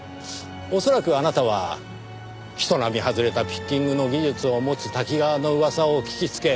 恐らくあなたは人並み外れたピッキングの技術を持つ瀧川の噂を聞きつけ。